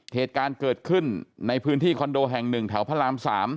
เหตุการณ์เกิดขึ้นในพื้นที่คอนโดแห่ง๑แถวพระราม๓